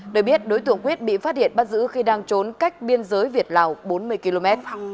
để biết đối tượng quyết bị phát hiện bắt giữ khi đang trốn cách biên giới việt lào bốn mươi km